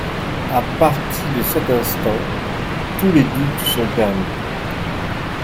À partie de cet instant, tous les doutes sont permis.